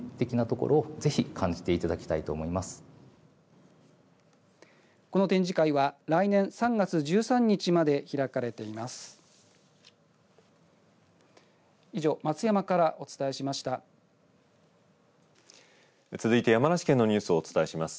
この展示会は来年３月１３日まで開かれています。